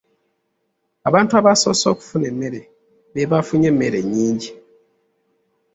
Abantu abasoose okufuna emmere be baafunye emmere ennyingi.